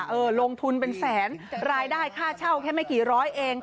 เออลงทุนเป็นแสนรายได้ค่าเช่าแค่ไม่กี่ร้อยเอง